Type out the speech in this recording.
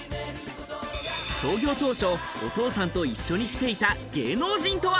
創業当初、お父さんと一緒に来ていた芸能人とは？